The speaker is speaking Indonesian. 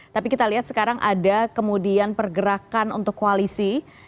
tapi kita lihat sekarang ada kemudian pergerakan untuk koalisi